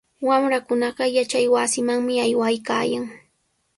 Wamrakunaqa yachaywasimanmi aywaykaayan.